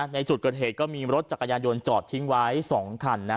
ในจุดเกิดเหตุก็มีรถจักรยานยนต์จอดทิ้งไว้๒คัน